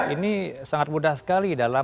ini sangat mudah sekali dalam